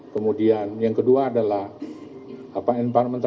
kemudian yang kedua adalah environment